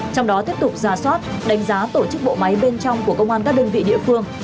trong đó tiếp tục ra soát đánh giá tổ chức bộ máy bên trong của công an các đơn vị địa phương